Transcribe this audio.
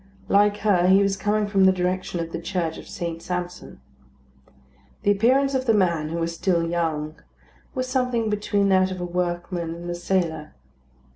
Like her he was coming from the direction of the church of St. Sampson. The appearance of the man, who was still young, was something between that of a workman and a sailor.